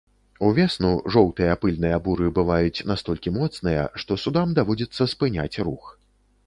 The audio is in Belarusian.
Увесну жоўтыя пыльныя буры бываюць настолькі моцныя, што судам даводзіцца спыняць рух.